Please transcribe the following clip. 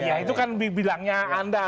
iya itu kan dibilangnya anda